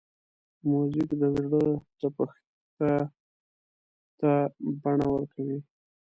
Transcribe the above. موزیک د زړه تپښتا ته بڼه ورکوي.